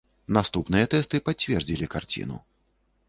Наступныя тэсты пацвердзілі карціну.